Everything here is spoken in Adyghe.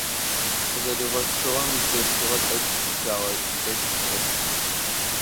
Къызэричъырэм илъэшыгъэ тӀэкӀу къыщагъэкӀэщт ныӀэп.